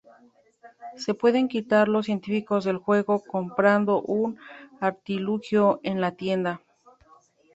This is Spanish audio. Se pueden quitar los científicos del juego comprando un artilugio en la tienda.